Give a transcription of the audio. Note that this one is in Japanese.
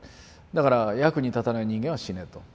だから役に立たない人間は死ねと。